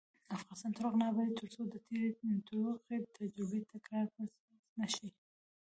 افغانستان تر هغو نه ابادیږي، ترڅو د تېرې تروخې تجربې تکرار بس نه شي.